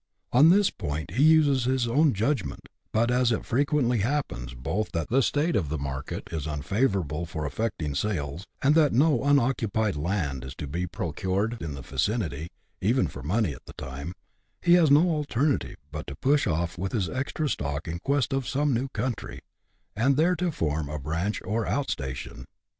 On this point he uses his own judgment, but as it frequently happens both that the state of the market is unfavourable for effecting sales, and that no unoccupied land is to be procured in the vicinity, even for money, at the time, he has no alternative but to push off with his extra stock in quest of some new country, and there to form a branch, or out station.